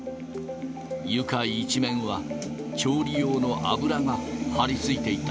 床一面は、調理用の油が張り付いていた。